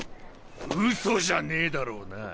嘘じゃねえだろうな？